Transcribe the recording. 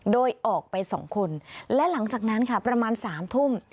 โดยออกไปสองคนและหลังจากนั้นประมาณสามทุ่ม